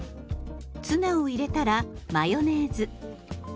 ツナを入れたらマヨネーズ。